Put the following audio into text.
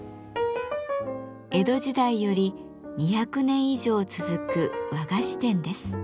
江戸時代より２００年以上続く和菓子店です。